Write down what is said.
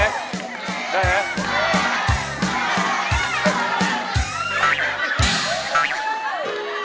ได้หรอ